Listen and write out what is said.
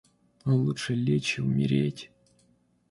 Лучше лечь и умереть.